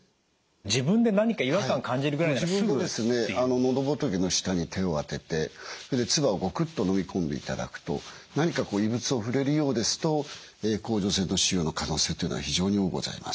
喉仏の下に手を当ててそれで唾をゴクッと飲み込んでいただくと何かこう異物を触れるようですと甲状腺の腫瘍の可能性というのは非常に多うございます。